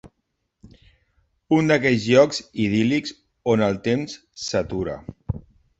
Un d'aquells llocs idíl·lics on el temps s'atura.